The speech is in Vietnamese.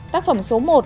tác phẩm số một